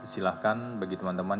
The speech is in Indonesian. silahkan bagi teman teman